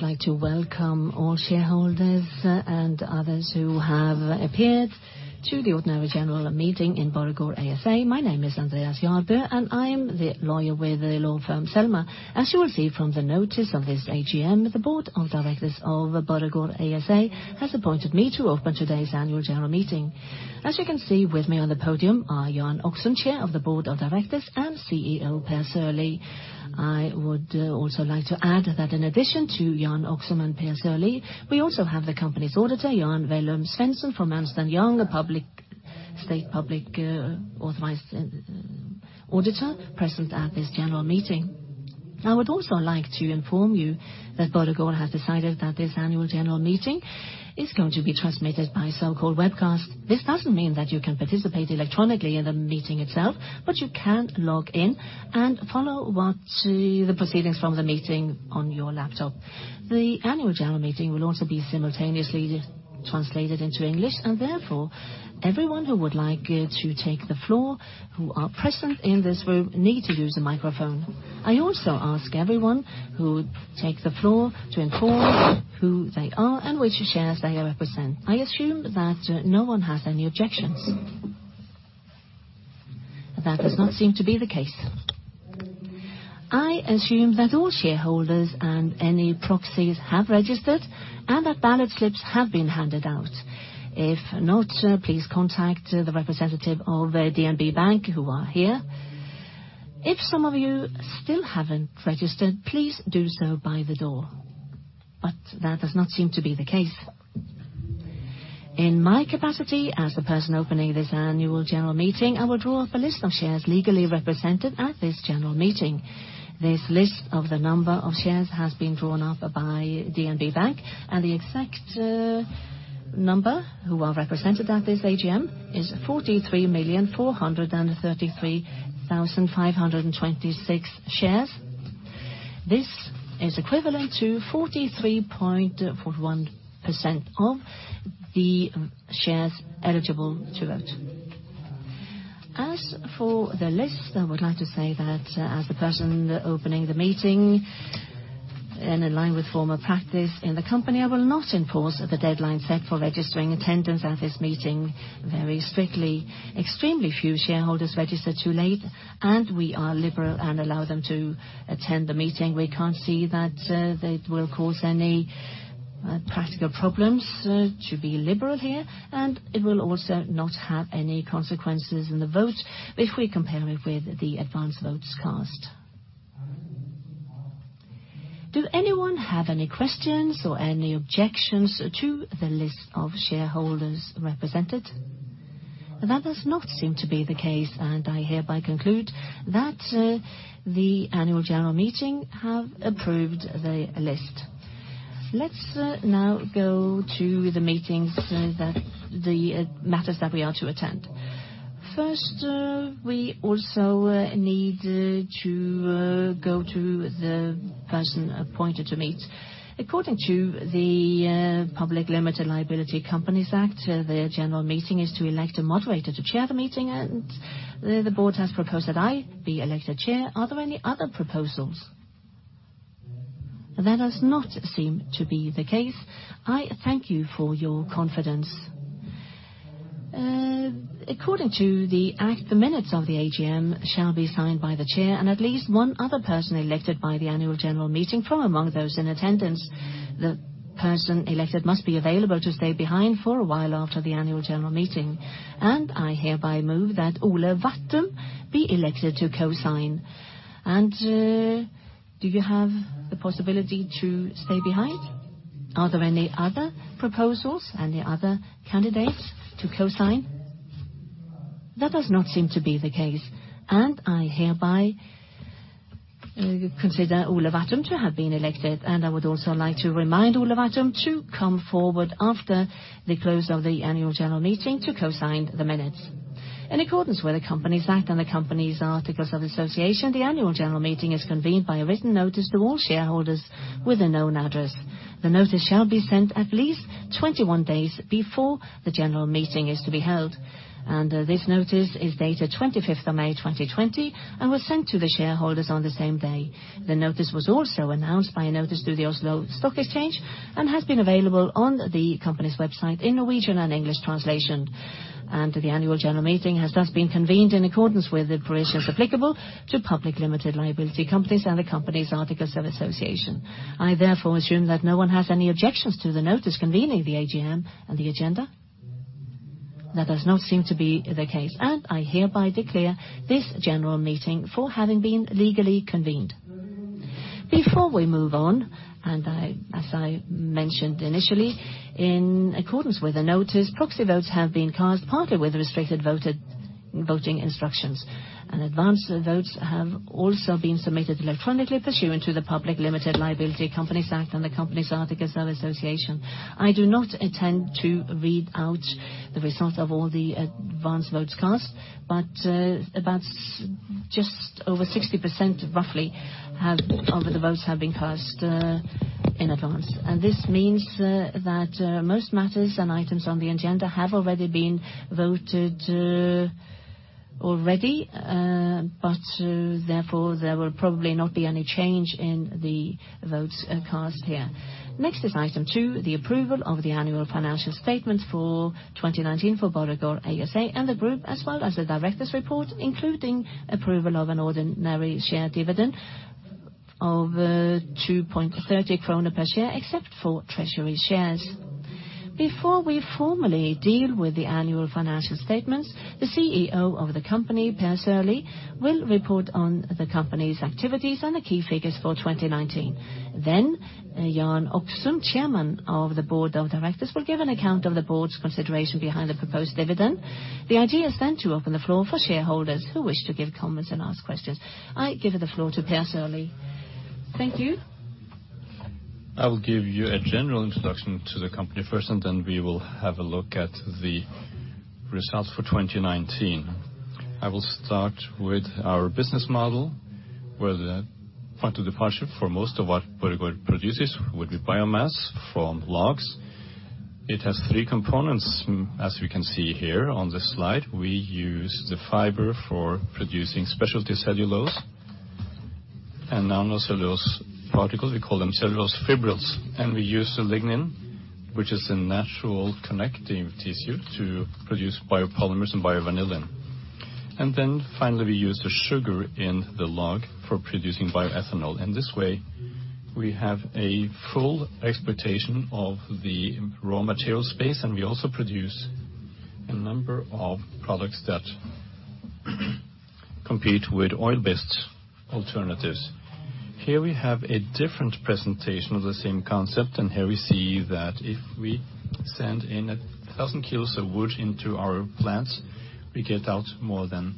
I would like to welcome all shareholders and others who have appeared to the ordinary general meeting in Borregaard ASA. My name is Andreas Jarbø, and I'm the lawyer with the law firm Selmer. As you will see from the notice of this AGM, the board of directors of Borregaard ASA has appointed me to open today's annual general meeting. As you can see, with me on the podium are Jan Oksum, Chair of the Board of Directors, and CEO Per Sørlie. I would also like to add that in addition to Jan Oksum and Per Sørlie, we also have the company's auditor, [Jan Velumsvensen] from Ernst & Young, the state public authorized auditor, present at this general meeting. I would also like to inform you that Borregaard has decided that this annual general meeting is going to be transmitted by so-called webcast. This doesn't mean that you can participate electronically in the meeting itself, but you can log in and follow the proceedings from the meeting on your laptop. Therefore, everyone who would like to take the floor who are present in this room need to use the microphone. I also ask everyone who takes the floor to inform who they are and which shares they represent. I assume that no one has any objections. That does not seem to be the case. I assume that all shareholders and any proxies have registered and that ballot slips have been handed out. If not, please contact the representative of the DNB Bank, who are here. If some of you still haven't registered, please do so by the door. That does not seem to be the case. In my capacity as the person opening this annual general meeting, I will draw up a list of shares legally represented at this general meeting. This list of the number of shares has been drawn up by DNB Bank, and the exact number who are represented at this AGM is 43,433,526 shares. This is equivalent to 43.41% of the shares eligible to vote. As for the list, I would like to say that as the person opening the meeting, and in line with former practice in the company, I will not enforce the deadline set for registering attendance at this meeting very strictly. Extremely few shareholders register too late, and we are liberal and allow them to attend the meeting. We can't see that it will cause any practical problems to be liberal here, and it will also not have any consequences in the vote if we compare it with the advance votes cast. Do anyone have any questions or any objections to the list of shareholders represented? That does not seem to be the case, and I hereby conclude that the annual general meeting have approved the list. Let's now go to the matters that we are to attend. First, we also need to go to the person appointed to meet. According to the Public Limited Liability Companies Act, the general meeting is to elect a moderator to chair the meeting, and the board has proposed that I be elected chair. Are there any other proposals? That does not seem to be the case. I thank you for your confidence. According to the act, the minutes of the AGM shall be signed by the chair and at least one other person elected by the annual general meeting from among those in attendance. The person elected must be available to stay behind for a while after the annual general meeting, and I hereby move that Ole Hvattum be elected to co-sign. Do you have the possibility to stay behind? Are there any other proposals, any other candidates to co-sign? That does not seem to be the case, and I hereby consider Ole Hvattum to have been elected, and I would also like to remind Ole Hvattum to come forward after the close of the annual general meeting to co-sign the minutes. In accordance with the Companies Act and the company's articles of association, the annual general meeting is convened by a written notice to all shareholders with a known address. The notice shall be sent at least 21 days before the general meeting is to be held. This notice is dated 25th of May, 2020, and was sent to the shareholders on the same day. The notice was also announced by a notice through the Oslo Stock Exchange and has been available on the company's website in Norwegian and English translation. The annual general meeting has thus been convened in accordance with the provisions applicable to public limited liability companies and the company's articles of association. I therefore assume that no one has any objections to the notice convening the AGM and the agenda. That does not seem to be the case, and I hereby declare this general meeting for having been legally convened. Before we move on, and as I mentioned initially, in accordance with the notice, proxy votes have been cast, partly with restricted voting instructions. Advance votes have also been submitted electronically pursuant to the Public Limited Liability Companies Act and the company's articles of association. I do not intend to read out the results of all the advance votes cast, but about just over 60%, roughly, of the votes have been cast in advance. This means that most matters and items on the agenda have already been voted. Therefore, there will probably not be any change in the votes cast here. Next is item two, the approval of the annual financial statement for 2019 for Borregaard ASA and the group, as well as the Directors Report, including approval of an ordinary share dividend of 2.30 krone per share, except for treasury shares. Before we formally deal with the annual financial statements, the CEO of the company, Per Sørlie, will report on the company's activities and the key figures for 2019. ThenJan Oksum, Chairman of the Board of Directors, will give an account of the board's consideration behind the proposed dividend. The idea is then to open the floor for shareholders who wish to give comments and ask questions. I give the floor to Per Sørlie. Thank you. I will give you a general introduction to the company first, and then we will have a look at the results for 2019. I will start with our business model, where the point of departure for most of what Borregaard produces would be biomass from logs. It has three components, as we can see here on the slide. We use the fiber for producing specialty cellulose and nanocellulose particles. We call them cellulose fibrils. We use the lignin, which is the natural connective tissue, to produce biopolymers and biovanillin. Then finally, we use the sugar in the log for producing bioethanol. In this way, we have a full exploitation of the raw material space, and we also produce a number of products that compete with oil-based alternatives. Here we have a different presentation of the same concept. Here we see that if we send in 1,000 kg of wood into our plants, we get out more than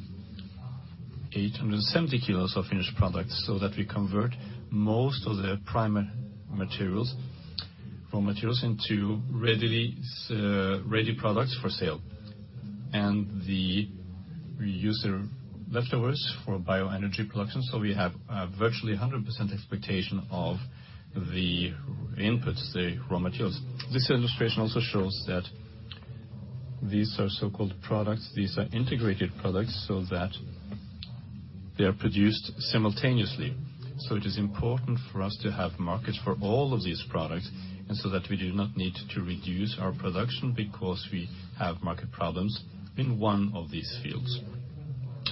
870 kg of finished products so that we convert most of the primary materials, raw materials, into ready products for sale. We use the leftovers for bioenergy production. We have virtually 100% exploitation of the inputs, the raw materials. This illustration also shows that these are so-called products. These are integrated products so that they are produced simultaneously. It is important for us to have markets for all of these products, and so that we do not need to reduce our production because we have market problems in one of these fields.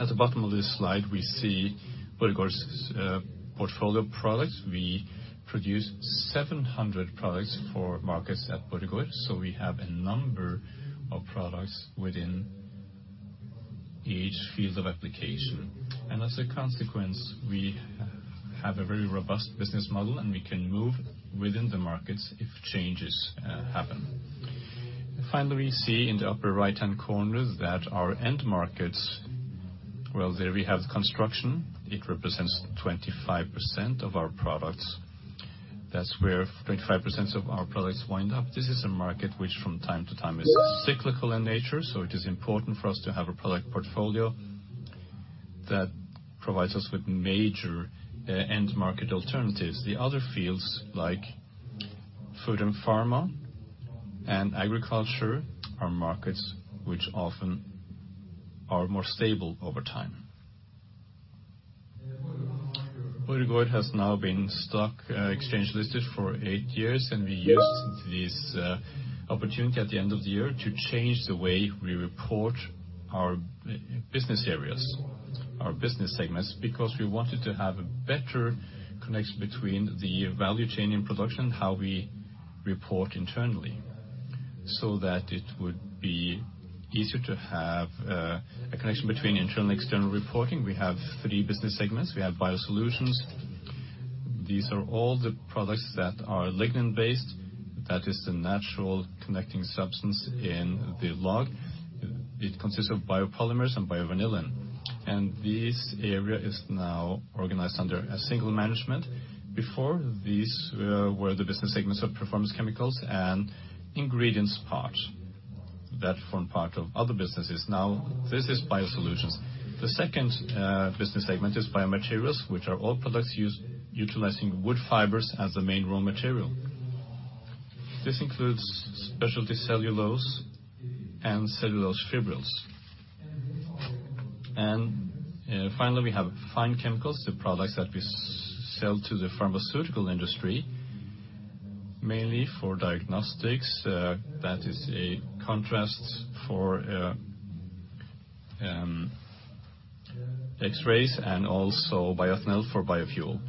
At the bottom of this slide, we see Borregaard's portfolio products. We produce 700 products for markets at Borregaard. We have a number of products within each field of application. As a consequence, we have a very robust business model, and we can move within the markets if changes happen. Finally, we see in the upper right-hand corner that our end markets, well, there we have construction. It represents 25% of our products. That's where 25% of our products wind up. This is a market which from time to time is cyclical in nature, so it is important for us to have a product portfolio that provides us with major end market alternatives. The other fields, like food and pharma, and agriculture, are markets which often are more stable over time. Borregaard has now been stock exchange listed for eight years, and we used this opportunity at the end of the year to change the way we report our business areas, our business segments, because we wanted to have a better connection between the value chain in production, how we report internally, so that it would be easier to have a connection between internal and external reporting. We have three business segments. We have BioSolutions. These are all the products that are lignin-based. That is the natural connecting substance in the log. It consists of biopolymers and biovanillin. This area is now organized under a single management. Before, these were the business segments of performance chemicals and ingredients part that form part of other businesses. Now, this is BioSolutions. The second business segment is BioMaterials, which are all products utilizing wood fibers as the main raw material. This includes specialty cellulose and cellulose fibrils. Finally, we have Fine Chemicals, the products that we sell to the pharmaceutical industry, mainly for diagnostics. That is a contrast for x-rays and also bioethanol for biofuel.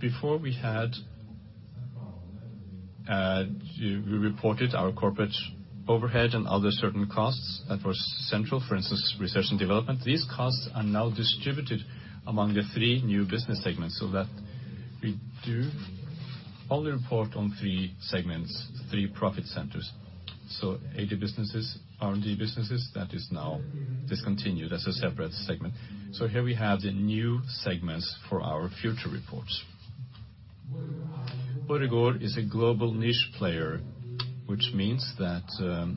Before we reported our corporate overhead and other certain costs that were central, for instance, research and development. These costs are now distributed among the three new business segments so that we do only report on three segments, three profit centers. Other businesses, R&D businesses, that is now discontinued as a separate segment. Here we have the new segments for our future reports. Borregaard is a global niche player, which means that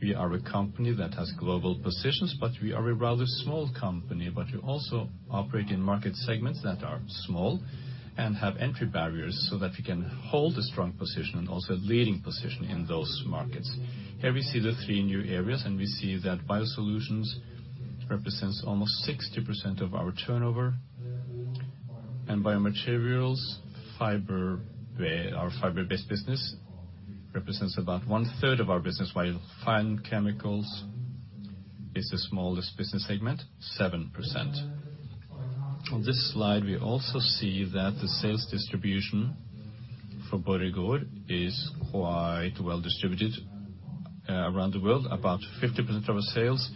we are a company that has global positions, but we are a rather small company. We also operate in market segments that are small and have entry barriers so that we can hold a strong position and also a leading position in those markets. Here we see the three new areas, and we see that BioSolutions represents almost 60% of our turnover. BioMaterials, our fiber-based business, represents about one third of our business, while Fine Chemicals is the smallest business segment, 7%. On this slide, we also see that the sales distribution for Borregaard is quite well distributed around the world. About 50% of our sales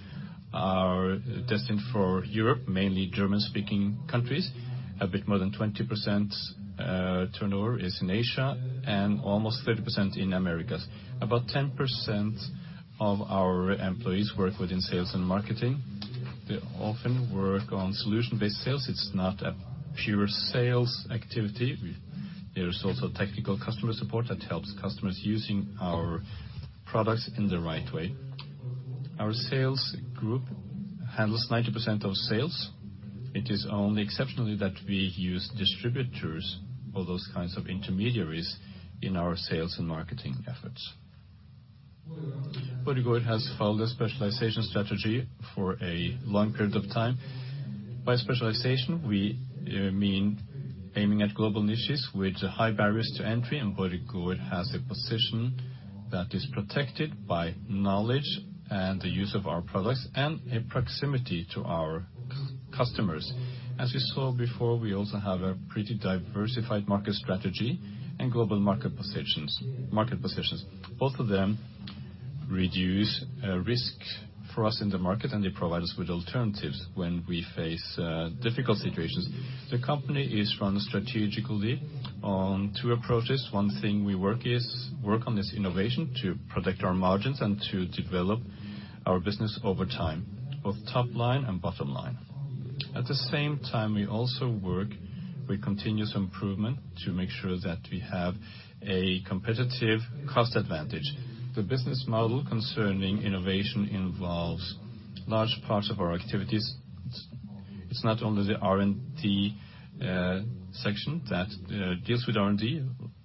are destined for Europe, mainly German-speaking countries. A bit more than 20% turnover is in Asia, and almost 30% in the Americas. About 10% of our employees work within sales and marketing. They often work on solution-based sales. It's not a pure sales activity. There is also technical customer support that helps customers using our products in the right way. Our sales group handles 90% of sales. It is only exceptionally that we use distributors or those kinds of intermediaries in our sales and marketing efforts. Borregaard has followed a specialization strategy for a long period of time. By specialization, we mean aiming at global niches with high barriers to entry, and Borregaard has a position that is protected by knowledge and the use of our products, and a proximity to our customers. As we saw before, we also have a pretty diversified market strategy and global market positions. Both of them reduce risk for us in the market, and they provide us with alternatives when we face difficult situations. The company is run strategically on two approaches. One thing we work on is innovation to protect our margins and to develop our business over time, both top line and bottom line. At the same time, we also work with continuous improvement to make sure that we have a competitive cost advantage. The business model concerning innovation involves large parts of our activities. It's not only the R&D section that deals with R&D.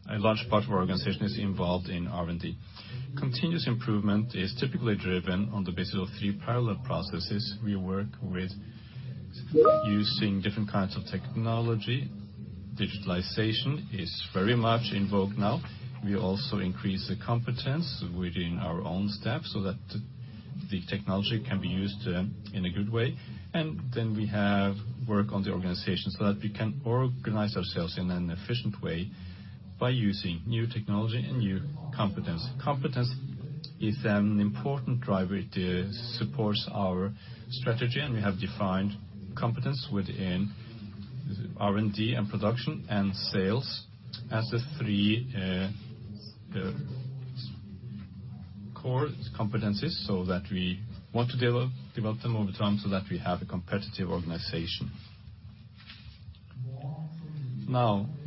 A large part of our organization is involved in R&D. Continuous improvement is typically driven on the basis of three parallel processes. We work with using different kinds of technology. Digitalization is very much in vogue now. We also increase the competence within our own staff so that the technology can be used in a good way. Then we have work on the organization so that we can organize ourselves in an efficient way by using new technology and new competence. Competence is an important driver. It supports our strategy, we have defined competence within R&D and production and sales as the three core competencies so that we want to develop them over time so that we have a competitive organization.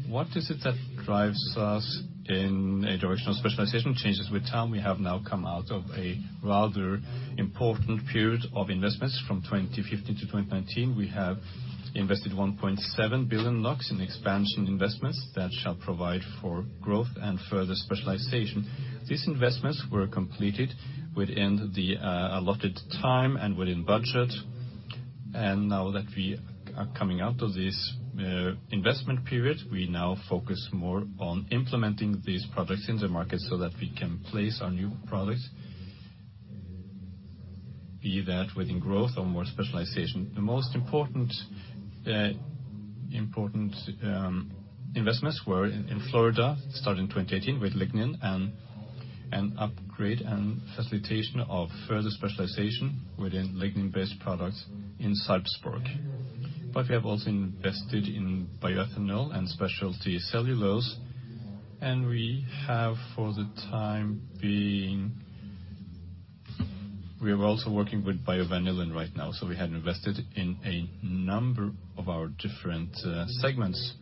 What is it that drives us in a direction of specialization? It changes with time. We have now come out of a rather important period of investments from 2015 to 2019. We have invested 1.7 billion NOK in expansion investments that shall provide for growth and further specialization. These investments were completed within the allotted time and within budget. Now that we are coming out of this investment period, we now focus more on implementing these products in the market so that we can place our new products, be that within growth or more specialization. The most important investments were in Florida, starting 2018, with lignin and an upgrade and facilitation of further specialization within lignin-based products in Sarpsborg. We have also invested in bioethanol and specialty cellulose. We are also working with biovanillin right now. We have invested in a number of our different segments.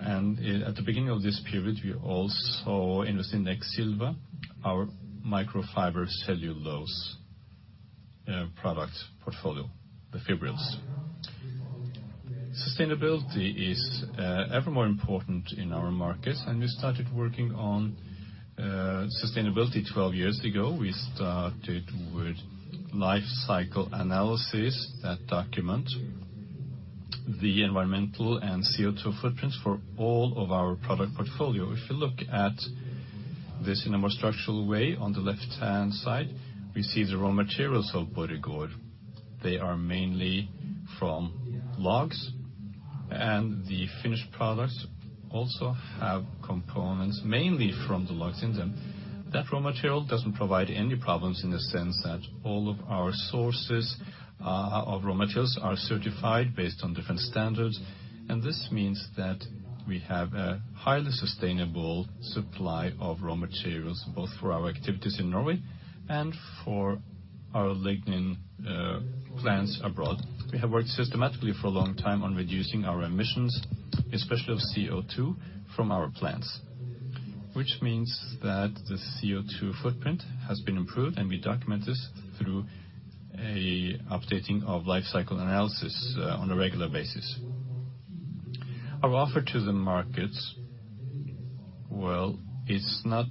At the beginning of this period, we also invested in Exilva, our microfibre cellulose product portfolio, the fibrils. Sustainability is ever more important in our markets. We started working on sustainability 12 years ago. We started with life cycle analysis that documents the environmental and CO2 footprints for all of our product portfolio. If you look at this in a more structural way, on the left-hand side, we see the raw materials of Borregaard. They are mainly from logs, and the finished products also have components mainly from the logs in them. That raw material doesn't provide any problems in the sense that all of our sources of raw materials are certified based on different standards. This means that we have a highly sustainable supply of raw materials, both for our activities in Norway and for our lignin plants abroad. We have worked systematically for a long time on reducing our emissions, especially of CO2 from our plants. Which means that the CO2 footprint has been improved, and we document this through an updating of life cycle analysis on a regular basis. Our offer to the markets, well, it's not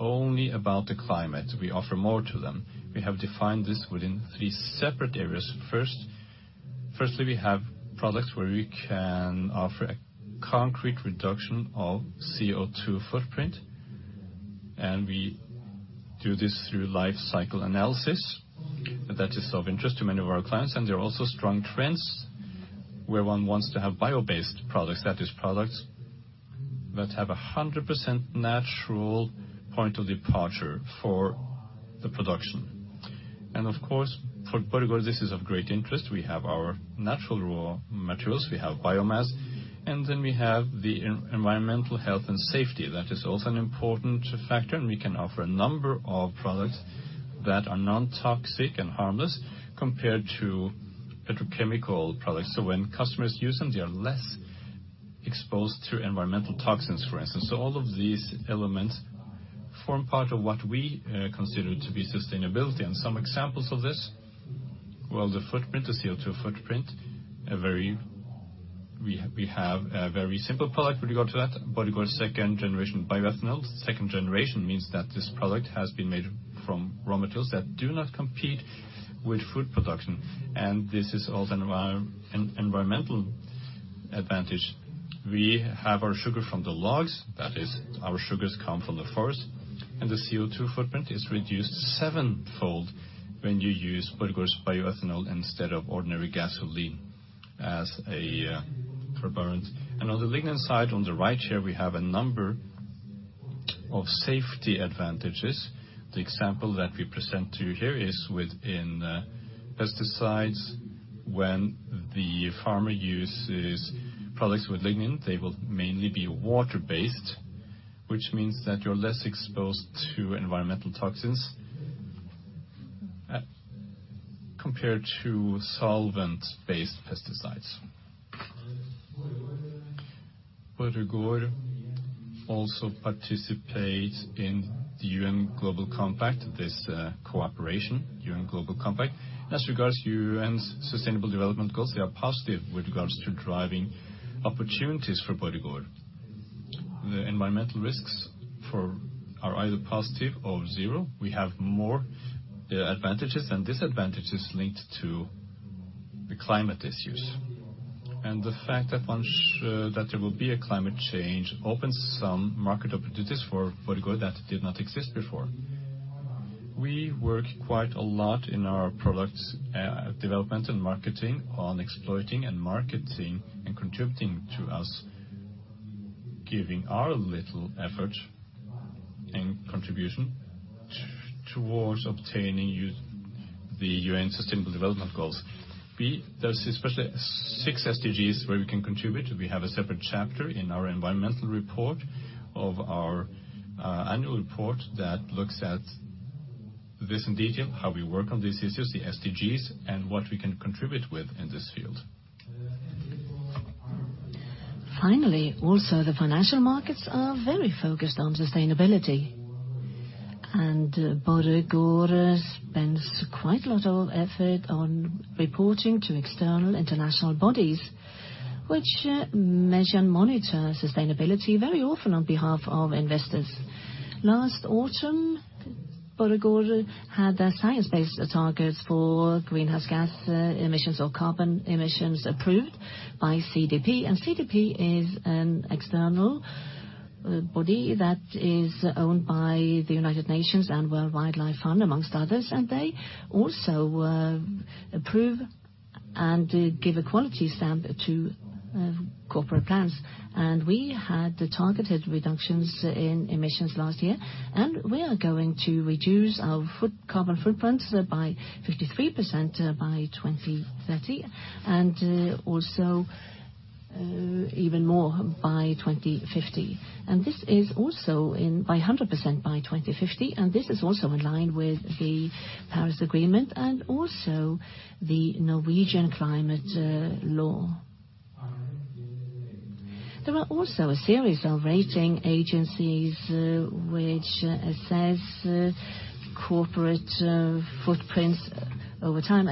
only about the climate. We offer more to them. We have defined this within three separate areas. Firstly, we have products where we can offer a concrete reduction of CO2 footprint. We do this through life cycle analysis. That is of interest to many of our clients. There are also strong trends where one wants to have bio-based products. That is, products that have 100% natural point of departure for the production. Of course, for Borregaard, this is of great interest. We have our natural raw materials. We have biomass. We have the environmental health and safety. That is also an important factor. We can offer a number of products that are non-toxic and harmless compared to petrochemical products. When customers use them, they are less exposed to environmental toxins, for instance. All of these elements form part of what we consider to be sustainability. Some examples of this, well, the footprint, the CO2 footprint. We have a very simple product with regard to that. Borregaard's second-generation bioethanol. Second-generation means that this product has been made from raw materials that do not compete with food production. This is also an environmental advantage. We have our sugar from the logs. That is, our sugars come from the forest. The CO2 footprint is reduced sevenfold when you use Borregaard's bioethanol instead of ordinary gasoline as a propellant. On the lignin side, on the right here, we have a number of safety advantages. The example that we present to you here is within pesticides. When the farmer uses products with lignin, they will mainly be water-based, which means that you're less exposed to environmental toxins compared to solvent-based pesticides. Borregaard also participates in the UN Global Compact, this cooperation, UN Global Compact. As regards UN Sustainable Development Goals, they are positive with regards to driving opportunities for Borregaard. The environmental risks are either positive or zero. We have more advantages than disadvantages linked to the climate issues. The fact that there will be a climate change opens some market opportunities for Borregaard that did not exist before. We work quite a lot in our product development and marketing on exploiting and marketing and contributing to us giving our little effort and contribution towards obtaining the UN Sustainable Development Goals. There's especially six SDGs where we can contribute. We have a separate chapter in our environmental report of our annual report that looks at this in detail, how we work on these issues, the SDGs, and what we can contribute with in this field. Finally, also the financial markets are very focused on sustainability. Borregaard spends quite a lot of effort on reporting to external international bodies, which measure and monitor sustainability very often on behalf of investors. Last autumn, Borregaard had their science-based targets for greenhouse gas emissions, or carbon emissions, approved by CDP. CDP is an external body that is owned by the United Nations and World Wide Fund for Nature, among others. They also approve and give a quality stamp to corporate plans. We had the targeted reductions in emissions last year, and we are going to reduce our carbon footprint by 53% by 2030, and also even more by 2050. This is also by 100% by 2050, and this is also in line with the Paris Agreement and also the Norwegian climate law. There are also a series of rating agencies which assess corporate footprints over time.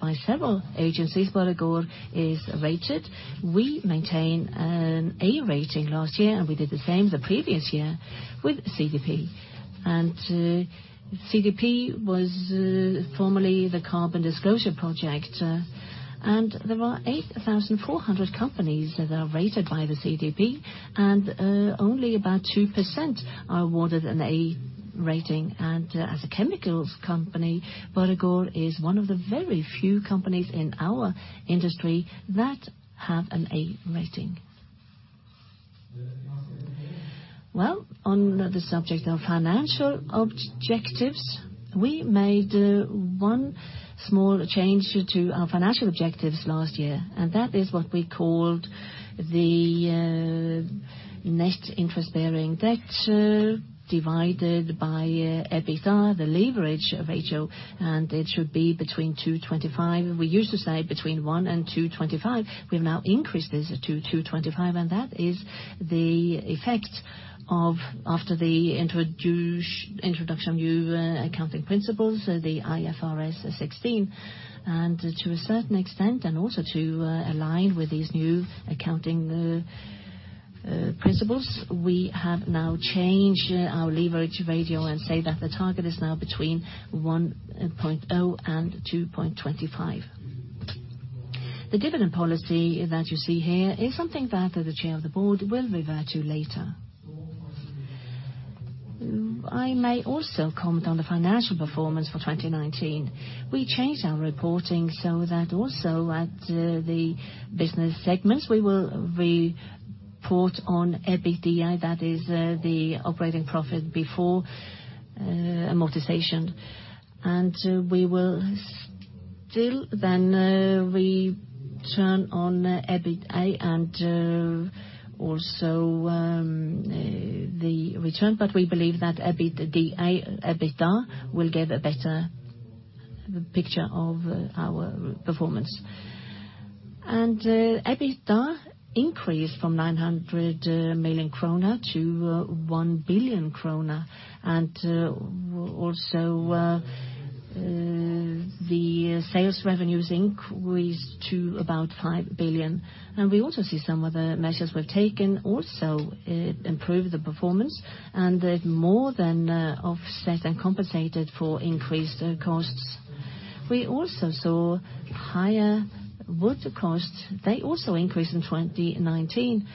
By several agencies, Borregaard is rated. We maintained an A rating last year, and we did the same the previous year with CDP. CDP was formerly the Carbon Disclosure Project. There are 8,400 companies that are rated by the CDP, and only about 2% are awarded an A rating. As a chemicals company, Borregaard is one of the very few companies in our industry that have an A rating. Well, on the subject of financial objectives, we made one small change to our financial objectives last year. That is what we called the net interest-bearing debt divided by EBITDA, the leverage ratio. It should be between 2.25. We used to say between one and 2.25. We have now increased this to 2.25. That is the effect of after the introduction of new accounting principles, the IFRS 16. To a certain extent, and also to align with these new accounting principles. We have now changed our leverage ratio and say that the target is now between 1.0 and 2.25. The dividend policy that you see here is something that the chair of the board will revert to later. I may also comment on the financial performance for 2019. We changed our reporting so that also at the business segments, we will report on EBITDA. That is the operating profit before amortization. We will still then return on EBITA and also the return, but we believe that EBITDA will give a better picture of our performance. EBITDA increased from 900 million kroner to 1 billion kroner, and also, the sales revenues increased to about 5 billion. We also see some of the measures we've taken also improved the performance, and it more than offset and compensated for increased costs. We also saw higher wood costs. They also increased in 2019.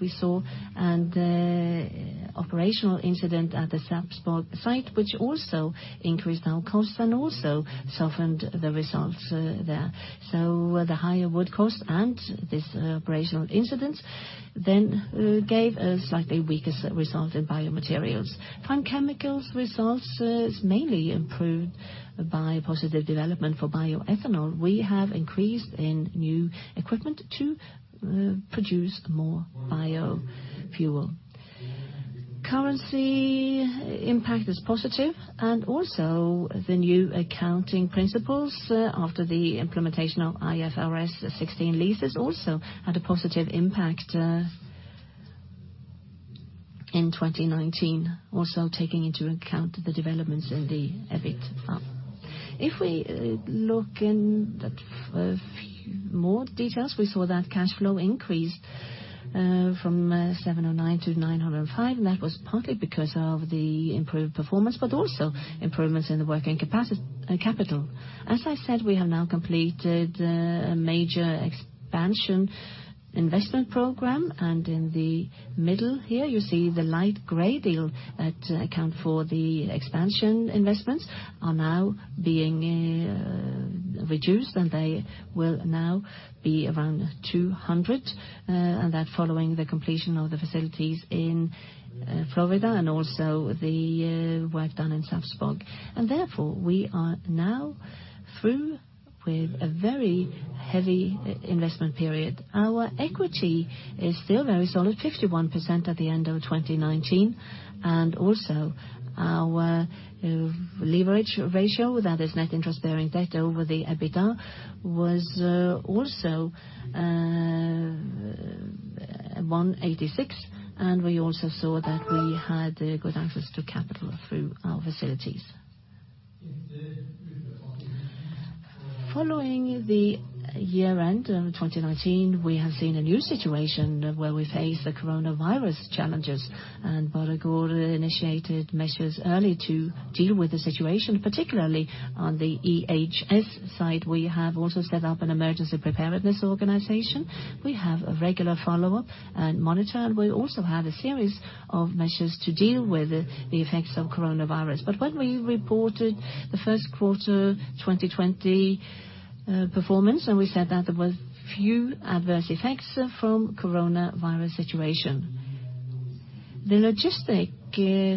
We saw an operational incident at the Sarpsborg site, which also increased our costs and also softened the results there. The higher wood costs and this operational incident then gave a slightly weaker result in BioMaterials. Fine Chemicals results mainly improved by positive development for bioethanol. We have increased in new equipment to produce more biofuel. Currency impact is positive, and also the new accounting principles after the implementation of IFRS 16 leases also had a positive impact in 2019. Also taking into account the developments in the EBIT. If we look in a few more details, we saw that cash flow increased from 709 to 905, and that was partly because of the improved performance, but also improvements in the working capital. As I said, we have now completed a major expansion investment program, and in the middle here, you see the light gray deal that account for the expansion investments are now being reduced, and they will now be around 200, and that following the completion of the facilities in Florida and also the work done in Sarpsborg. Therefore, we are now through with a very heavy investment period. Our equity is still very solid, 51% at the end of 2019. Also, our leverage ratio, that is net interest-bearing debt over the EBITDA, was also 1.86. We also saw that we had good access to capital through our facilities. Following the year-end in 2019, we have seen a new situation where we face the coronavirus challenges. Borregaard initiated measures early to deal with the situation, particularly on the EHS side. We have also set up an emergency preparedness organization. We have a regular follow-up and monitor. We also have a series of measures to deal with the effects of coronavirus. When we reported the first quarter 2020 performance, we said that there was few adverse effects from coronavirus situation. The logistic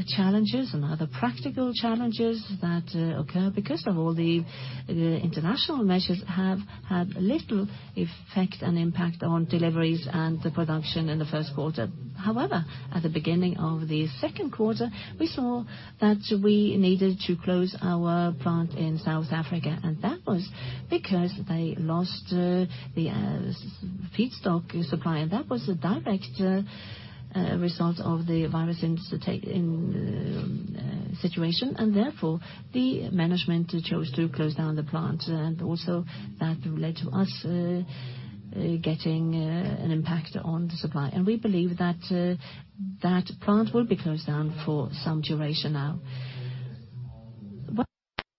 challenges and other practical challenges that occur because of all the international measures have had little effect and impact on deliveries and the production in the first quarter. However, at the beginning of the second quarter, we saw that we needed to close our plant in South Africa. That was because they lost the feedstock supply, and that was a direct result of the virus industry situation, and therefore the management chose to close down the plant, and also that led to us getting an impact on the supply. We believe that plant will be closed down for some duration now.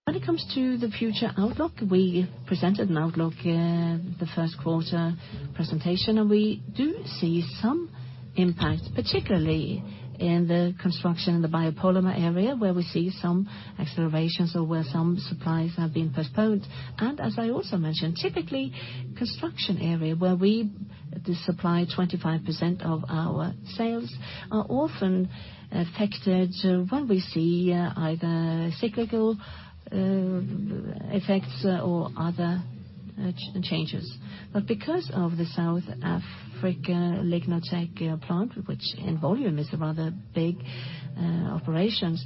When it comes to the future outlook, we presented an outlook the first quarter presentation, and we do see some impact, particularly in the construction in the biopolymer area where we see some accelerations or where some supplies have been postponed. As I also mentioned, typically, construction area, where we supply 25% of our sales, are often affected when we see either cyclical effects or other changes. Because of the South Africa lignosulfonate plant, which in volume is a rather big operations,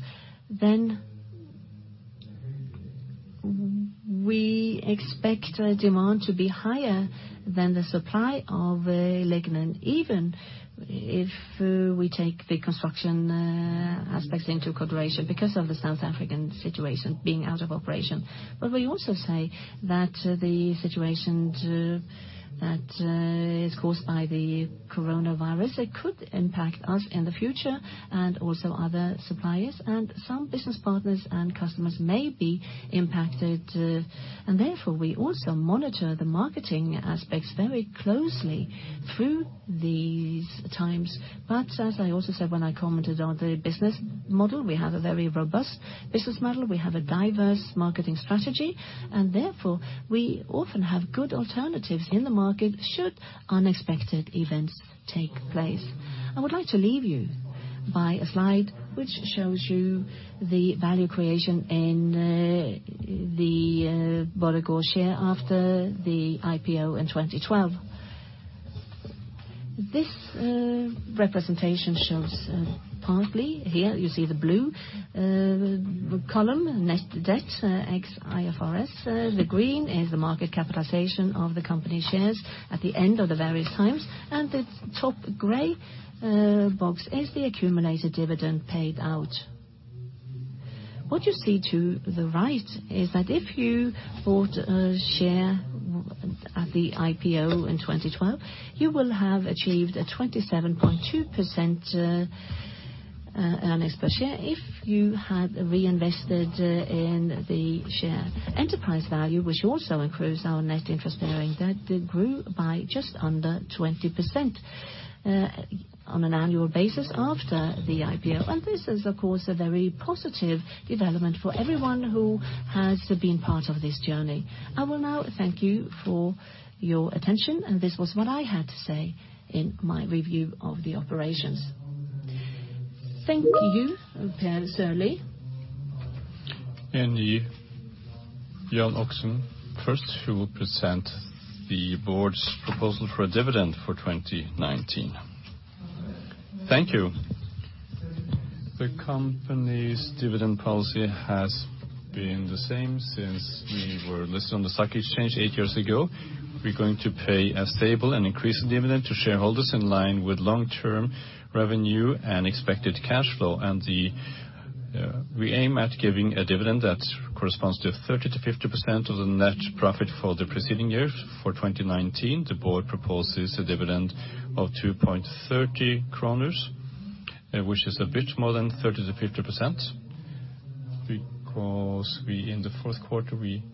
we expect demand to be higher than the supply of lignin, even if we take the construction aspects into consideration because of the South African situation being out of operation. We also say that the situation that is caused by the coronavirus, it could impact us in the future and also other suppliers and some business partners and customers may be impacted. Therefore, we also monitor the marketing aspects very closely through these times. As I also said when I commented on the business model, we have a very robust business model. We have a diverse marketing strategy, and therefore, we often have good alternatives in the market, should unexpected events take place. I would like to leave you by a slide which shows you the value creation in the Borregaard share after the IPO in 2012. This representation shows partly, here you see the blue column, net debt ex IFRS. The green is the market capitalization of the company shares at the end of the various times, and the top gray box is the accumulated dividend paid out. What you see to the right is that if you bought a share at the IPO in 2012, you will have achieved a 27.2% earnings per share if you had reinvested in the share. Enterprise value, which also includes our net interest-bearing debt, grew by just under 20% on an annual basis after the IPO. This is, of course, a very positive development for everyone who has been part of this journey. I will now thank you for your attention, and this was what I had to say in my review of the operations. Thank you, Per Sørlie. Jan Oksum first, who will present the board's proposal for a dividend for 2019. Thank you. The company's dividend policy has been the same since we were listed on the stock exchange eight years ago. We're going to pay a stable and increasing dividend to shareholders in line with long-term revenue and expected cash flow. We aim at giving a dividend that corresponds to 30%-50% of the net profit for the preceding years. For 2019, the board proposes a dividend of 2.30 kroner, which is a bit more than 30%-50% because in the fourth quarter, we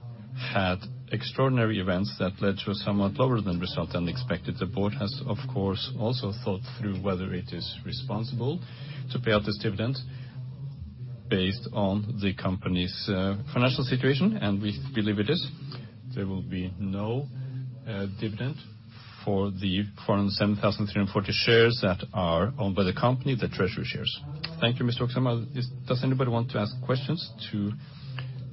had extraordinary events that led to a somewhat lower than result than expected. The board has, of course, also thought through whether it is responsible to pay out this dividend based on the company's financial situation, and we believe it is. There will be no dividend for the 407,340 shares that are owned by the company, the treasury shares. Thank you, Mr. Oksum. Does anybody want to ask questions to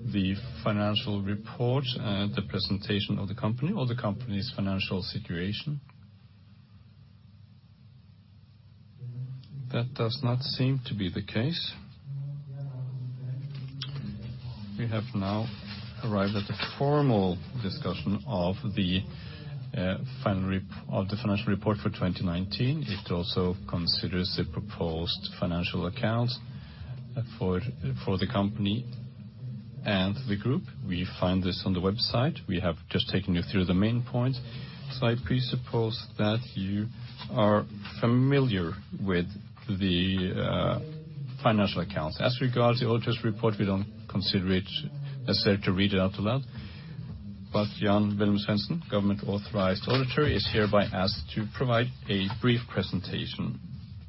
the financial report, the presentation of the company or the company's financial situation? That does not seem to be the case. We have now arrived at the formal discussion of the financial report for 2019. It also considers the proposed financial accounts for the company and the group. We find this on the website. We have just taken you through the main points. I presuppose that you are familiar with the financial accounts. As regards the auditor's report, we don't consider it necessary to read it out loud, Jan Velumsvensen, Government Authorized Auditor, is hereby asked to provide a brief presentation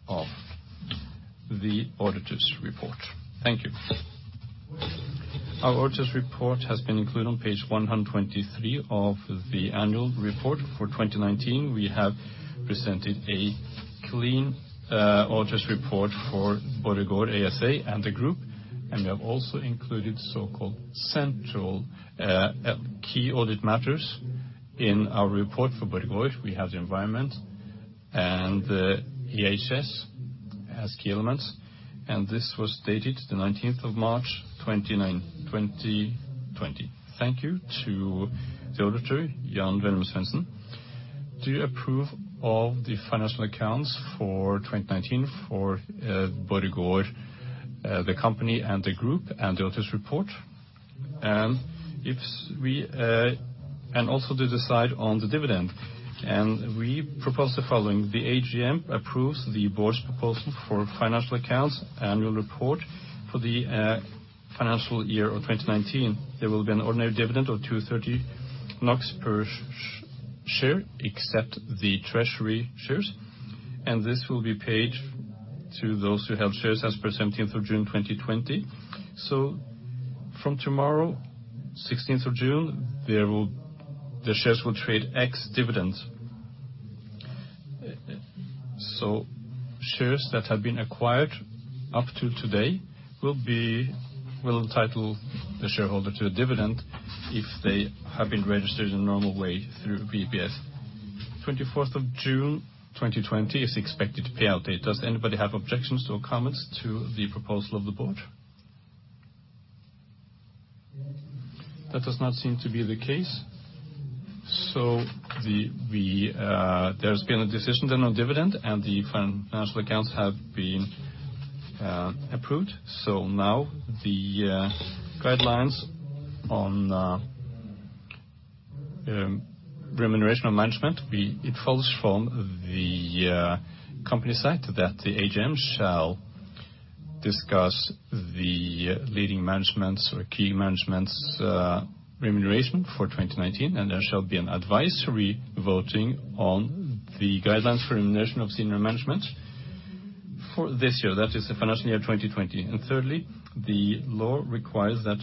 of the auditor's report. Thank you. Our auditor's report has been included on page 123 of the annual report for 2019. We have presented a clean auditor's report for Borregaard ASA and the group, and we have also included so-called central key audit matters in our report for Borregaard. We have the environment and EHS as key elements, and this was dated the 19th of March 2020. Thank you to the auditor, [Jan Velumsvensen]. Do you approve of the financial accounts for 2019 for Borregaard, the company and the group, and the auditor's report? Also to decide on the dividend. We propose the following. The AGM approves the board's proposal for financial accounts, annual report for the financial year of 2019. There will be an ordinary dividend of 2.30 NOK per share except the treasury shares, and this will be paid to those who have shares as per 17th of June 2020. From tomorrow, 16th of June, the shares will trade ex-dividend. Shares that have been acquired up to today will entitle the shareholder to a dividend if they have been registered in the normal way through VPS. 24th of June 2020 is the expected payout date. Does anybody have objections or comments to the proposal of the board? That does not seem to be the case. There's been a decision then on dividend, and the financial accounts have been approved. Now the guidelines on remuneration of management. It follows from the company side that the AGM shall discuss the leading management's or key management's remuneration for 2019, and there shall be an advisory voting on the guidelines for remuneration of senior management for this year. That is the financial year 2020. Thirdly, the law requires that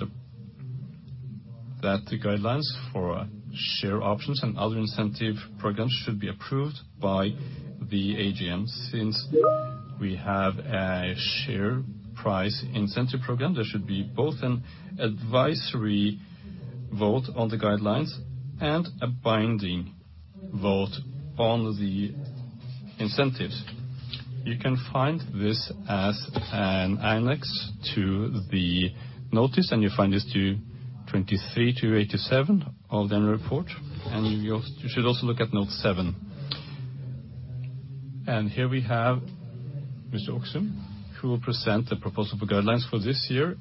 the guidelines for share options and other incentive programs should be approved by the AGM. Since we have a share price incentive program, there should be both an advisory vote on the guidelines and a binding vote on the incentives. You can find this as an annex to the notice, and you find this to 23 to 87 of the annual report. You should also look at note seven. Here we have Mr. Oksum, who will present the proposal for guidelines for this year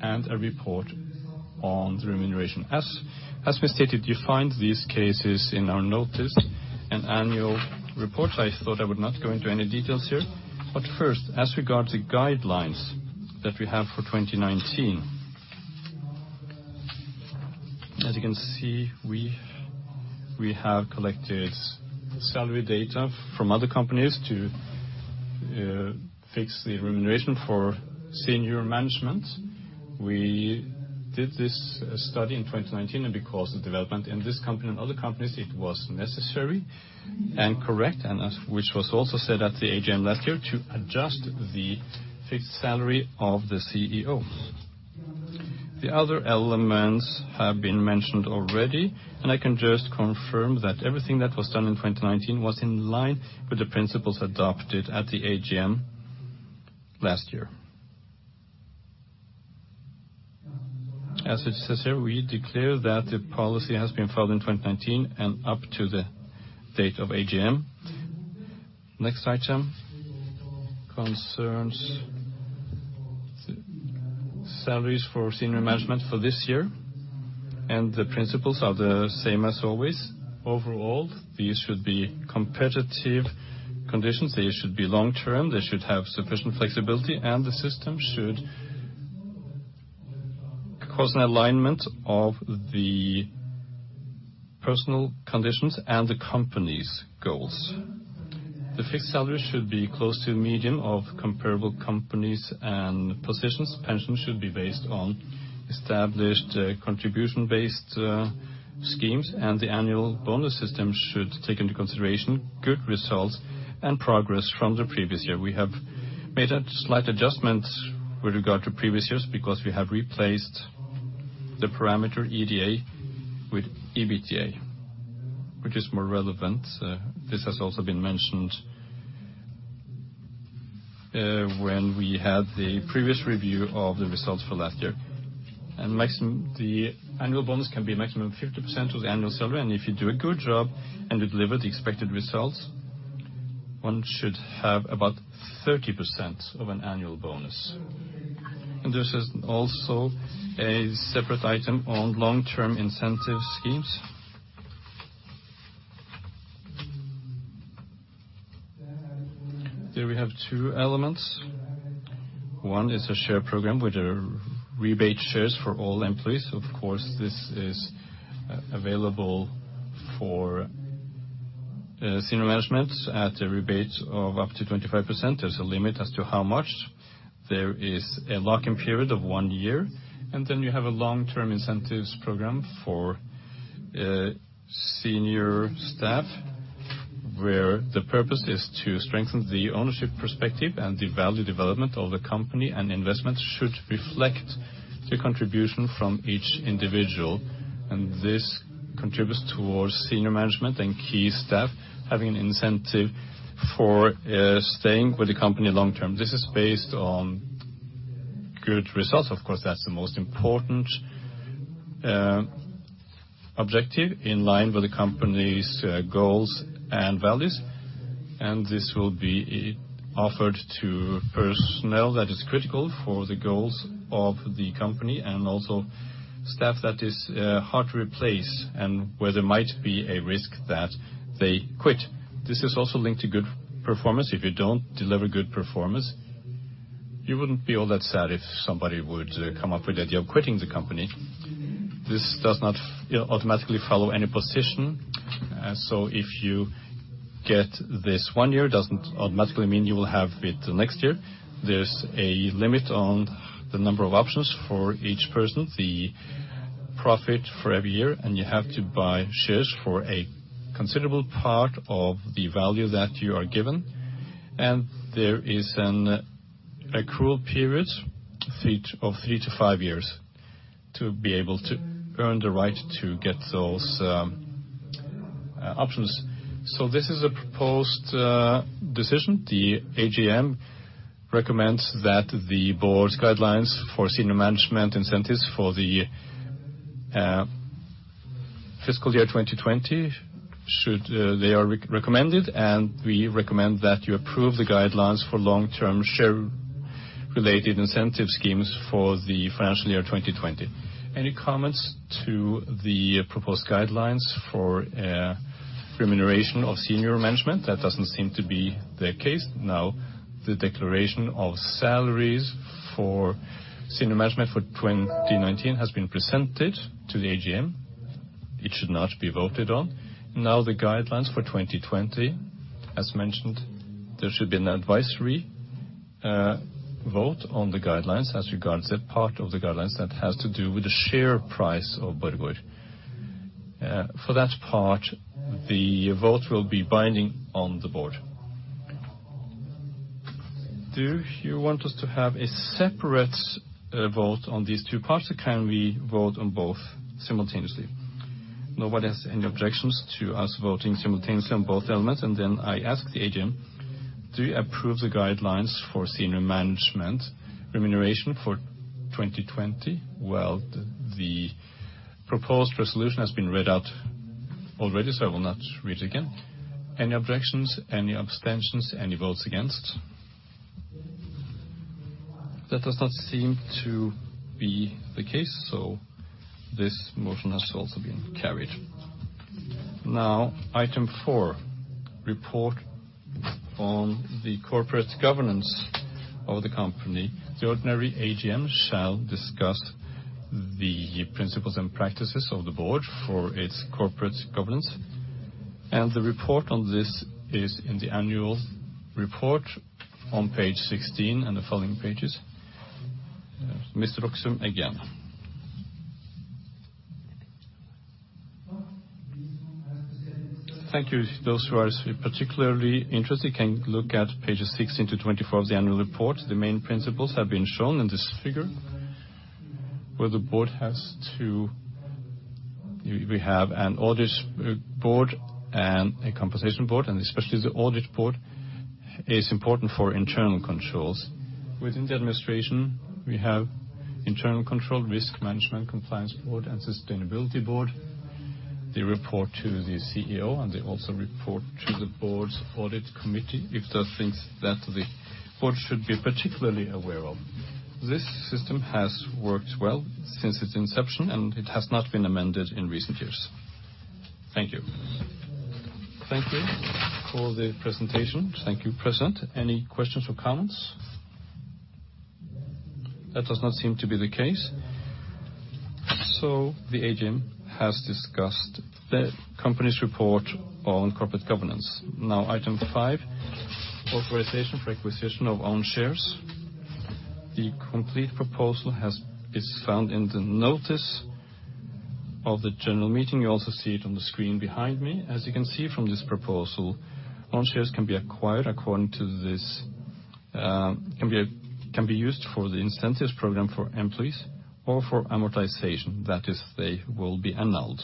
and a report on the remuneration. As we stated, you find these cases in our notice and annual report. I thought I would not go into any details here. First, as regards the guidelines that we have for 2019. As you can see, we have collected salary data from other companies to fix the remuneration for senior management. We did this study in 2019. Because of development in this company and other companies, it was necessary and correct, which was also said at the AGM last year, to adjust the fixed salary of the CEOs. The other elements have been mentioned already. I can just confirm that everything that was done in 2019 was in line with the principles adopted at the AGM last year. As it says here, we declare that the policy has been followed in 2019 and up to the date of AGM. Next item concerns salaries for senior management for this year. The principles are the same as always. Overall, these should be competitive conditions, they should be long-term, they should have sufficient flexibility, and the system should cause an alignment of the personal conditions and the company's goals. The fixed salary should be close to the median of comparable companies and positions. Pensions should be based on established contribution-based schemes, and the annual bonus system should take into consideration good results and progress from the previous year. We have made a slight adjustment with regard to previous years because we have replaced the parameter EBITDA with EBITA, which is more relevant. This has also been mentioned when we had the previous review of the results for last year. The annual bonus can be a maximum of 50% of the annual salary, and if you do a good job and you deliver the expected results, one should have about 30% of an annual bonus. This is also a separate item on long-term incentive schemes. There we have two elements. One is a share program with rebate shares for all employees. Of course, this is available for senior management at a rebate of up to 25%. There's a limit as to how much. There is a lock-in period of one year. Then you have a long-term incentives program for senior staff, where the purpose is to strengthen the ownership perspective and the value development of the company, and investments should reflect the contribution from each individual. This contributes towards senior management and key staff having an incentive for staying with the company long-term. This is based on good results. Of course, that's the most important objective in line with the company's goals and values. This will be offered to personnel that is critical for the goals of the company and also staff that is hard to replace and where there might be a risk that they quit. This is also linked to good performance. If you don't deliver good performance, you wouldn't be all that sad if somebody would come up with the idea of quitting the company. This does not automatically follow any position. If you get this one year, it doesn't automatically mean you will have it the next year. There's a limit on the number of options for each person, the profit for every year, and you have to buy shares for a considerable part of the value that you are given. There is an accrual period of three to five years to be able to earn the right to get those options. This is a proposed decision. The AGM recommends that the board's guidelines for senior management incentives for the fiscal year 2020, they are recommended. We recommend that you approve the guidelines for long-term share related incentive schemes for the financial year 2020. Any comments to the proposed guidelines for remuneration of senior management? That doesn't seem to be the case. Now, the declaration of salaries for senior management for 2019 has been presented to the AGM. It should not be voted on. Now, the guidelines for 2020, as mentioned, there should be an advisory vote on the guidelines as regards that part of the guidelines that has to do with the share price of Borregaard. For that part, the vote will be binding on the board. Do you want us to have a separate vote on these two parts, or can we vote on both simultaneously? Nobody has any objections to us voting simultaneously on both elements, and then I ask the AGM to approve the guidelines for senior management remuneration for 2020. The proposed resolution has been read out already, so I will not read it again. Any objections, any abstentions, any votes against? That does not seem to be the case, so this motion has also been carried. Item four, report on the corporate governance of the company. The ordinary AGM shall discuss the principles and practices of the board for its corporate governance, and the report on this is in the annual report on page 16 and the following pages. Mr. Oksum again. Thank you. Those who are particularly interested can look at pages 16 to 24 of the annual report. The main principles have been shown in this figure, where the board has to. We have an audit board and a compensation board, and especially the audit board is important for internal controls. Within the administration, we have internal control, risk management, compliance board, and sustainability board. They report to the CEO, and they also report to the board's audit committee if there are things that the board should be particularly aware of. This system has worked well since its inception, and it has not been amended in recent years. Thank you. Thank you for the presentation. Thank you, present. Any questions or comments? That does not seem to be the case. The AGM has discussed the company's report on corporate governance. Item five, authorization for acquisition of own shares. The complete proposal is found in the notice of the general meeting. You also see it on the screen behind me. As you can see from this proposal, own shares can be used for the incentives program for employees or for amortization, that is, they will be annulled.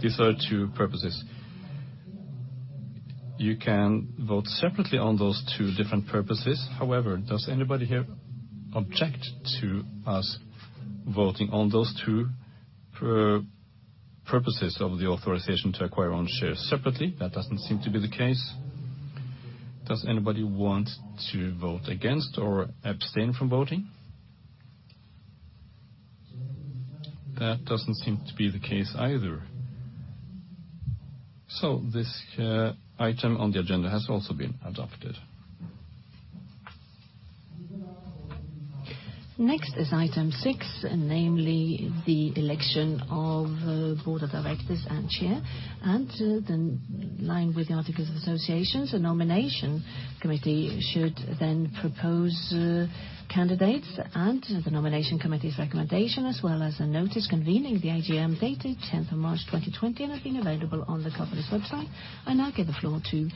These are two purposes. You can vote separately on those two different purposes. Does anybody here object to us voting on those two purposes of the authorization to acquire own shares separately? That doesn't seem to be the case. Does anybody want to vote against or abstain from voting? That doesn't seem to be the case either. This item on the agenda has also been adopted. Next is item six, namely the election of Board of Directors and Chair. Then in line with the articles of association, a Nomination Committee should then propose candidates, and the Nomination Committee's recommendation, as well as a notice convening the AGM dated 10th of March 2020, and has been available on the company's website. I now give the floor to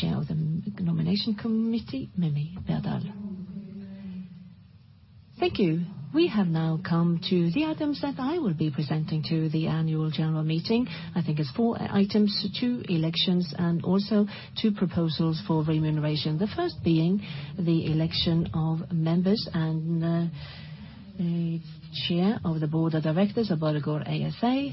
Chair of the Nomination Committee, Mimi Berdal. Thank you. We have now come to the items that I will be presenting to the annual general meeting. I think it's four items, two elections, and also two proposals for remuneration. The first being the election of members and a Chair of the Board of Directors of Borregaard ASA.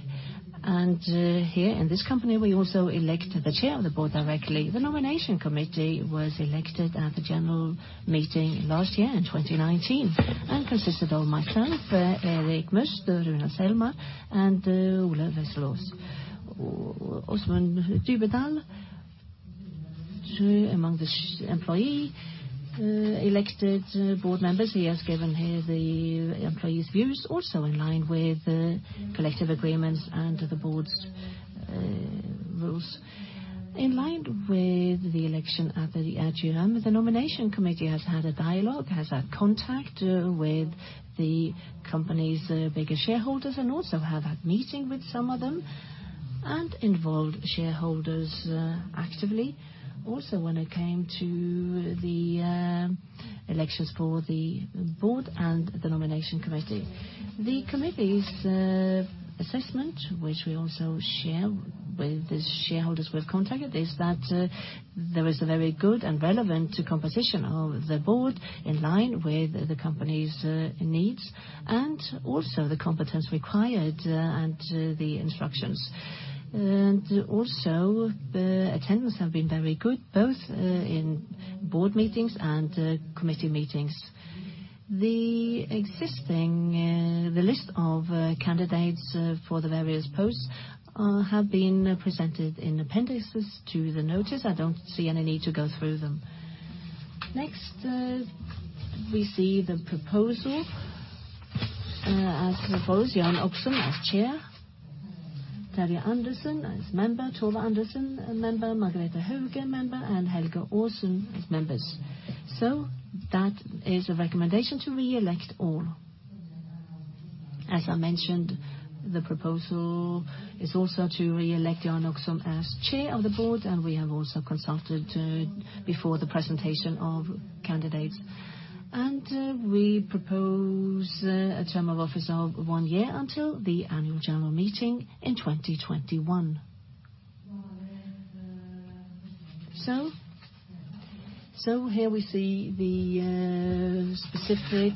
Here in this company, we also elect the Chair of the Board directly. The nomination committee was elected at the general meeting last year in 2019 and consisted of myself, Erik Must, Rune Selmar, and Ole Wessel-Aas. Øystein Djupedal, among the employee elected board members, he has given here the employees' views, also in line with the collective agreements and the board's rules. In line with the election at the AGM, the nomination committee has had a dialogue, has had contact with the company's bigger shareholders, and also have had meeting with some of them. Involved shareholders actively. When it came to the elections for the board and the nomination committee. The committee's assessment, which we also share with the shareholders we've contacted, is that there is a very good and relevant composition of the board, in line with the company's needs, and also the competence required and the instructions. The attendance has been very good, both in board meetings and committee meetings. The list of candidates for the various posts have been presented in appendix to the notice. I don't see any need to go through them. Next, we see the proposal. I propose Jan Oksum as Chair, Terje Andersen as member, Tove Andersen, a member, Margrethe Hauge, member, and Helge Aasen as members. That is a recommendation to reelect all. As I mentioned, the proposal is also to reelect Jan Oksum as Chair of the board, and we have also consulted before the presentation of candidates. We propose a term of office of one year until the annual general meeting in 2021. Here we see the specific,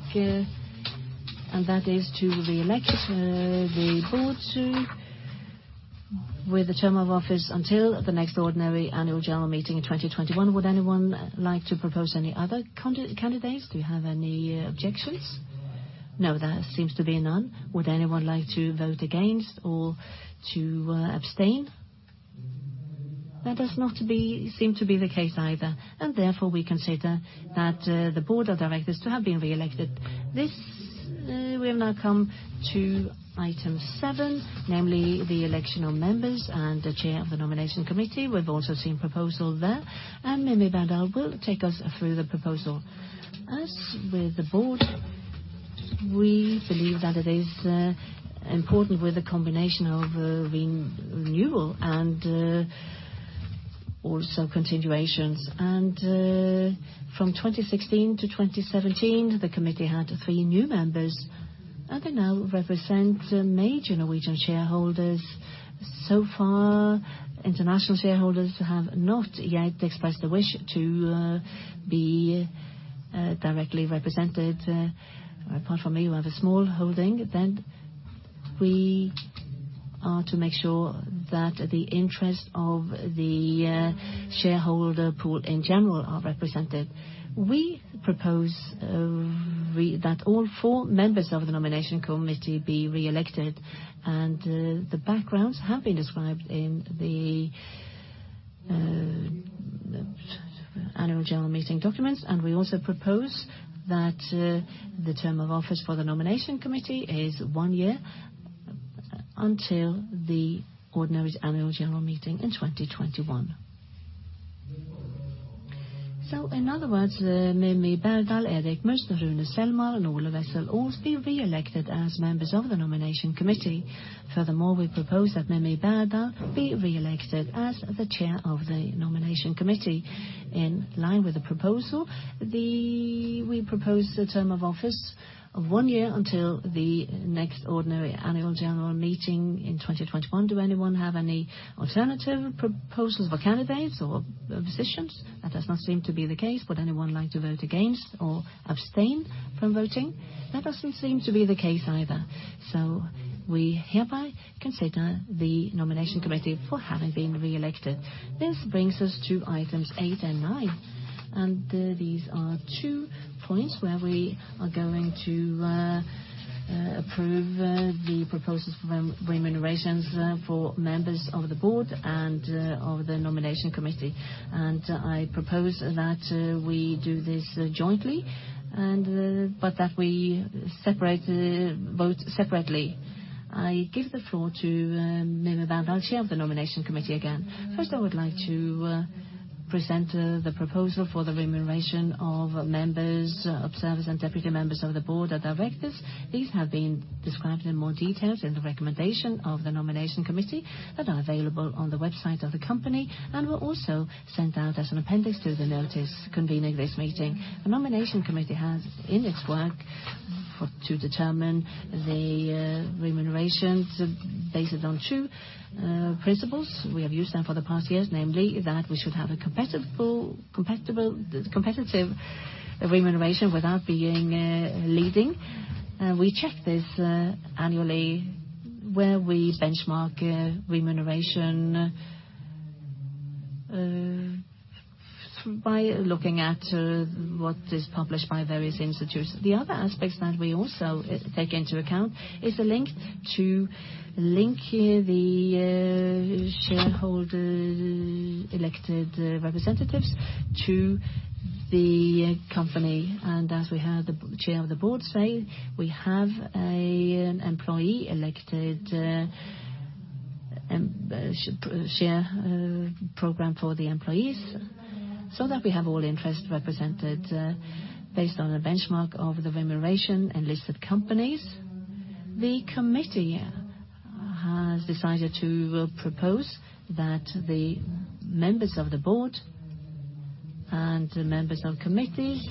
and that is to reelect the board too, with a term of office until the next ordinary annual general meeting in 2021. Would anyone like to propose any other candidates? Do you have any objections? No, there seems to be none. Would anyone like to vote against or to abstain? That does not seem to be the case either, Therefore, we consider that the board of directors to have been reelected. We will now come to item seven, namely the election of members and the chair of the nomination committee. We've also seen proposal there, and Mimi Berdal will take us through the proposal. As with the board, we believe that it is important with a combination of renewal and also continuations. From 2016 to 2017, the committee had three new members, and they now represent major Norwegian shareholders. So far, international shareholders have not yet expressed the wish to be directly represented. Apart from me, who have a small holding, then we are to make sure that the interest of the shareholder pool in general are represented. We propose that all four members of the nomination committee be reelected, and the backgrounds have been described in the annual general meeting documents. We also propose that the term of office for the nomination committee is one year until the ordinary annual general meeting in 2021. In other words, Mimi Berdal, Erik Must, Rune Selmer, and Ola Wessel-Aas all be reelected as members of the nomination committee. Furthermore, we propose that Mimi Berdal be reelected as the Chair of the Nomination Committee. In line with the proposal, we propose the term of office of one year until the next ordinary annual general meeting in 2021. Do anyone have any alternative proposals for candidates or positions? That does not seem to be the case. Would anyone like to vote against or abstain from voting? That doesn't seem to be the case either. We hereby consider the Nomination Committee for having been reelected. This brings us to items eight and nine, and these are two points where we are going to approve the proposals for remunerations for members of the Board of Directors and of the Nomination Committee. I propose that we do this jointly, but that we vote separately. I give the floor to Mimi Berdal, Chair of the Nomination Committee again. First, I would like to present the proposal for the remuneration of members, observers, and deputy members of the Board of Directors. These have been described in more details in the recommendation of the nomination committee that are available on the website of the company and were also sent out as an appendix to the notice convening this meeting. The nomination committee has, in its work, to determine the remunerations based on two principles. We have used that for the past years, namely that we should have a competitive remuneration without being leading. We check this annually where we benchmark remuneration by looking at what is published by various institutes. The other aspects that we also take into account is a link to link the shareholder-elected representatives to the company. As we heard the Chair of the Board say, we have an employee-elected share program for the employees so that we have all interests represented based on a benchmark of the remuneration and listed companies. The committee has decided to propose that the members of the board and members of committees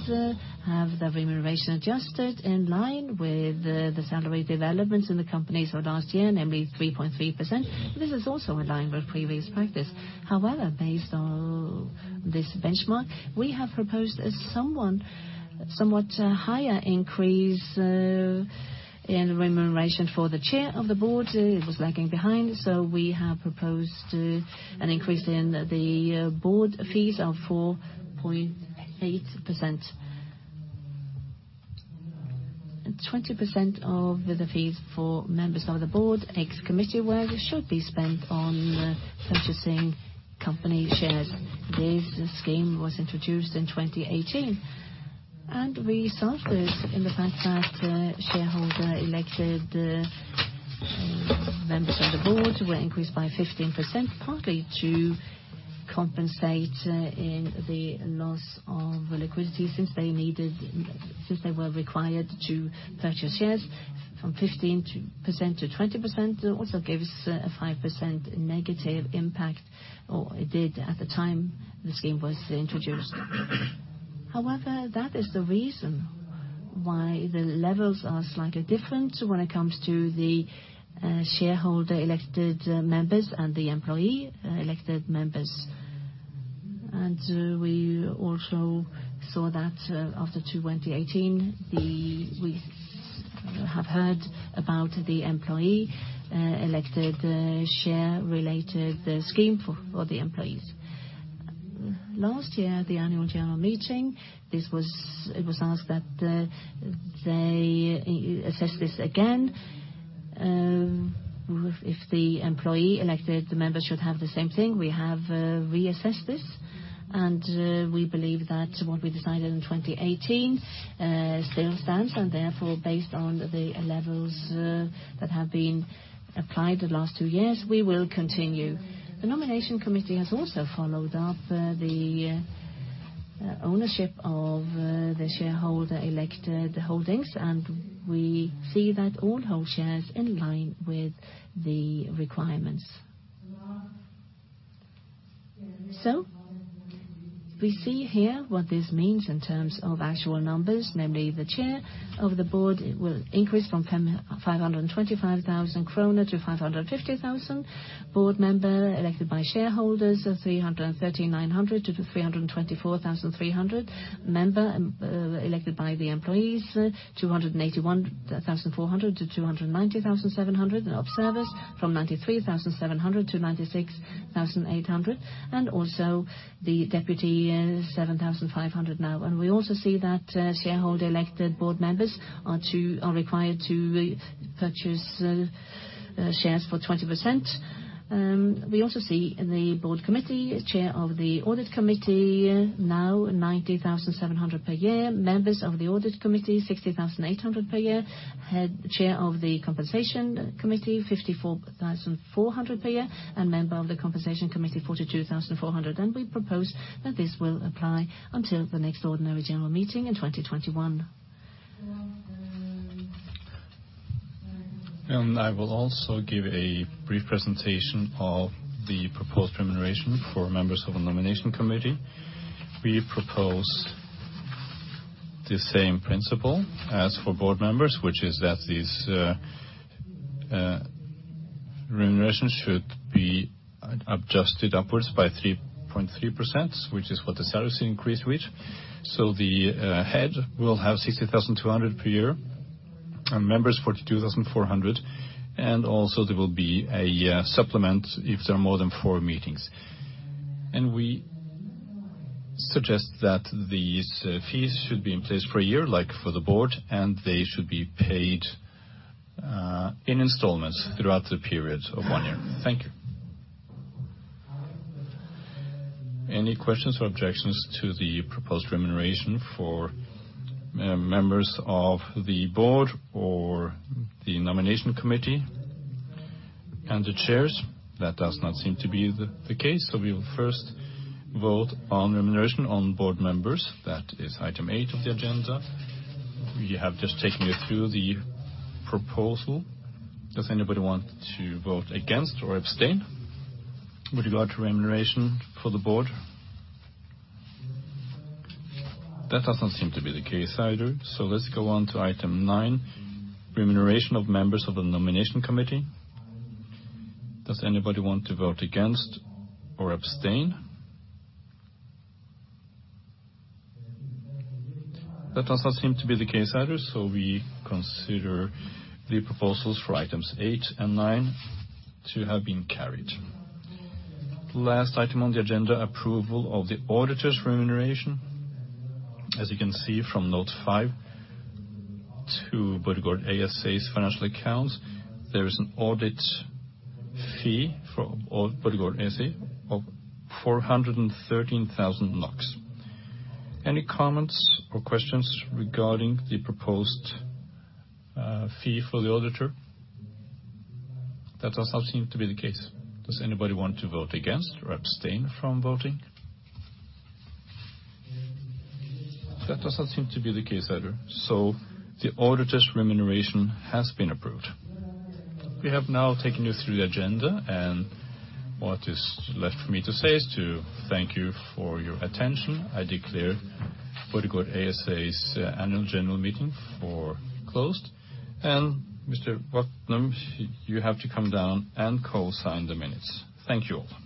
have their remuneration adjusted in line with the salary developments in the company for last year, namely 3.3%. This is also in line with previous practice. However, based on this benchmark, we have proposed a somewhat higher increase in remuneration for the chair of the board. It was lagging behind, so we have proposed an increase in the board fees of 4.8%. 20% of the fees for members of the board, ex committee, where it should be spent on purchasing company shares. This scheme was introduced in 2018, we saw this in the fact that shareholder-elected members of the board were increased by 15%, partly to compensate in the loss of liquidity since they were required to purchase shares from 15%-20%, also gave us a 5% negative impact, or it did at the time the scheme was introduced. However, that is the reason why the levels are slightly different when it comes to the shareholder-elected members and the employee-elected members. We also saw that after 2018, we have heard about the employee-elected share-related scheme for the employees. Last year, at the annual general meeting, it was asked that they assess this again, if the employee-elected member should have the same thing. We have reassessed this. We believe that what we decided in 2018 still stands. Therefore, based on the levels that have been applied the last two years, we will continue. The nomination committee has also followed up the ownership of the shareholder-elected holdings. We see that all hold shares in line with the requirements. We see here what this means in terms of actual numbers. Namely, the Chair of the Board will increase from 525,000 kroner to 550,000. Board Member elected by shareholders, 339,100 to 324,300. Member elected by the employees, 281,400 to 290,700. Observers from 93,700 to 96,800. Also the deputy, 7,500 now. We also see that shareholder-elected Board Members are required to purchase shares for 20%. We also see the board committee, Chair of the Audit Committee, now 90,700 per year. Members of the Audit Committee, 60,800 per year. Chair of the compensation committee, 54,400 per year, and member of the compensation committee, 42,400. We propose that this will apply until the next ordinary general meeting in 2021. I will also give a brief presentation of the proposed remuneration for members of the nomination committee. We propose the same principle as for board members, which is that these remunerations should be adjusted upwards by 3.3%, which is what the salary increase was. The head will have 60,200 per year, and members 42,400, and also there will be a supplement if there are more than four meetings. We suggest that these fees should be in place for a year, like for the board, and they should be paid in installments throughout the period of one year. Thank you. Any questions or objections to the proposed remuneration for members of the board or the nomination committee and the chairs? That does not seem to be the case. We will first vote on remuneration on board members. That is item eight of the agenda. We have just taken you through the proposal. Does anybody want to vote against or abstain with regard to remuneration for the board? That doesn't seem to be the case either. Let's go on to item nine, remuneration of members of the nomination committee. Does anybody want to vote against or abstain? That does not seem to be the case either, so we consider the proposals for items eight and nine to have been carried. Last item on the agenda, approval of the auditor's remuneration. As you can see from note five to Borregaard ASA's financial accounts, there is an audit fee for Borregaard ASA of 413,000 NOK. Any comments or questions regarding the proposed fee for the auditor? That does not seem to be the case. Does anybody want to vote against or abstain from voting? That does not seem to be the case either. The auditor's remuneration has been approved. We have now taken you through the agenda, and what is left for me to say is to thank you for your attention. I declare Borregaard ASA's annual general meeting closed. Mr. Hvattum, you have to come down and co-sign the minutes. Thank you all.